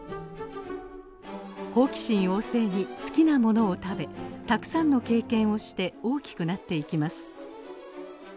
好奇心旺盛に好きなものを食べたくさんの経験をして大きくなっていきます。